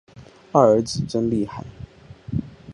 二儿子真厉害